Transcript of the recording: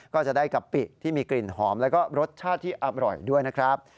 ก็จะได้กะปิที่มีกลิ่นหอมแล้วก็รสชาติที่อร่อยด้วยนะครับ